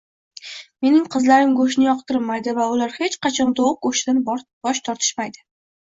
Mening qizlarim go'shtni yoqtirmaydi va ular hech qachon tovuq go'shtidan bosh tortishmaydi